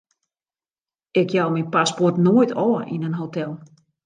Ik jou myn paspoart noait ôf yn in hotel.